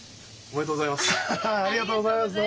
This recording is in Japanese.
おめでとうございます。